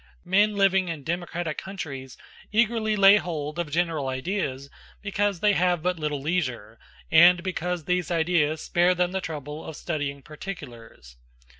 Men living in democratic countries eagerly lay hold of general ideas because they have but little leisure, and because these ideas spare them the trouble of studying particulars.